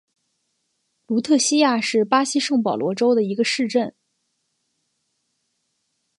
卢特西亚是巴西圣保罗州的一个市镇。